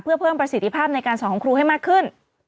เพื่อเพิ่มประสิทธิภาพในการสอนของครูให้มากขึ้น